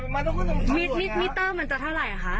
มีเมตเตอร์มันจะเท่าไหร่กันคะ